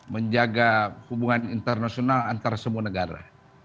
menjaga hubungan internasional antar semua negara